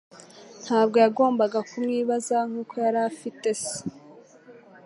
Ntabwo yagombaga kumwibazaho nkuko yari afite se.